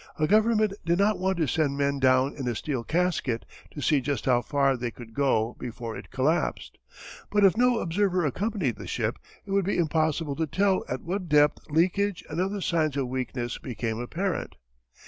A government did not want to send men down in a steel casket to see just how far they could go before it collapsed. But if no observer accompanied the ship it would be impossible to tell at what depth leakage and other signs of weakness became apparent.